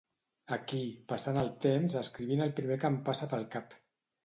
Aquí, passant el temps escrivint el primer que em passa pel cap